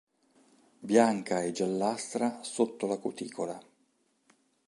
Bianca e giallastra sotto la cuticola.